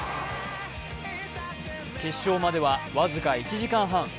決勝までは僅か１時間半。